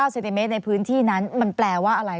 เซนติเมตรในพื้นที่นั้นมันแปลว่าอะไร